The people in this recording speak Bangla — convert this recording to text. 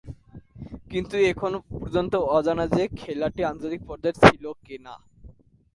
কিন্তু, এখনো পর্যন্ত অজানা যে, খেলাটি আন্তর্জাতিক পর্যায়ের ছিল কি-না!